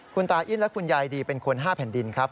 คุณตาอิ้นและคุณยายดีเป็นคน๕แผ่นดินครับ